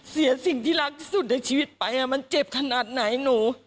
เสียสิ่งที่รักที่สุดในชีวิตไปมันเจ็บขนาดไหนหนู